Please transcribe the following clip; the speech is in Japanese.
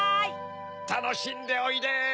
たのしんでおいで！